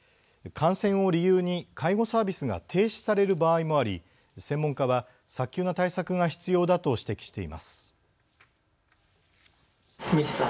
感染を理由に介護サービスが停止される場合もあり専門家は早急な対策が必要だと指摘しています。